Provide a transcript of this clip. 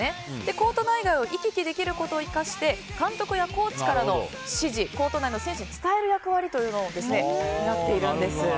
コート内外を行き来できることを生かして監督やコーチからの指示をコート内の選手に伝える役割を担っているんです。